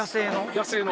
野生の？